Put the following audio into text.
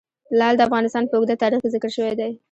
لعل د افغانستان په اوږده تاریخ کې ذکر شوی دی.